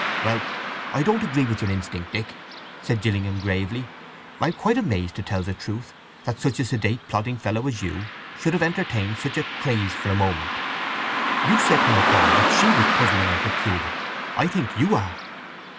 "Well—I don't agree with your instinct, Dick!" said Gillingham gravely. "I am quite amazed, to tell the truth, that such a sedate, plodding fellow as you should have entertained such a craze for a moment. You said when I called that she was puzzling and peculiar: I think you are!"